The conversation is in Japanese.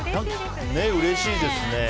うれしいですね。